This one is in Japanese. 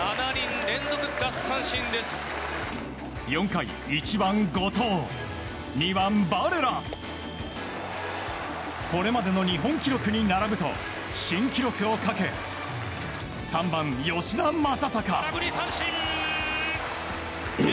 ４回、１番、後藤２番、バレラこれまでの日本記録に並ぶと新記録をかけ３番、吉田正尚。